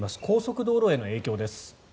高速道路への影響です。